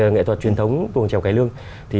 nghệ thuật truyền thống của trèo cái lương